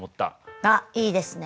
あっいいですね。